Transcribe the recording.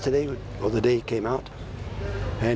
คิดว่าเกิดอะไรขึ้น